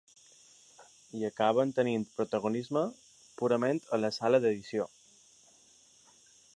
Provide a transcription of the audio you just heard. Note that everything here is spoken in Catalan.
I acaben tenint protagonisme purament a la sala d’edició.